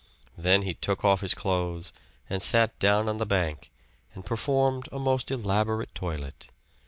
Then he took off his clothes and sat down on the bank and performed a most elaborate toilet.